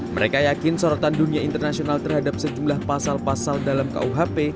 mereka yakin sorotan dunia internasional terhadap sejumlah pasal pasal dalam kuhp